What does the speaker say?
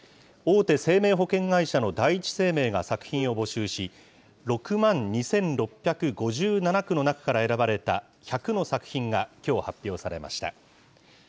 大手生命保険会社の第一生命が作品を募集し、６万２６５７句の中から選ばれた１００の作品がきょう発表されました。